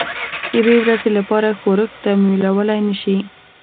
یوې ورځې لپاره ښورښ تمویلولای نه شي.